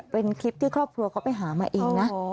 เป็นคลิปที่ครอบครัวเขาไปหามาเองนะ